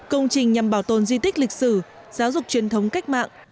công trình nhằm bảo tồn di tích lịch sử giáo dục truyền thống cách mạng